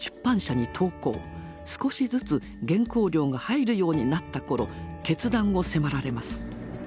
少しずつ原稿料が入るようになった頃決断を迫られます。